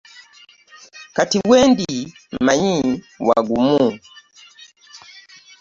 Kati wendi mmanyi wagumu.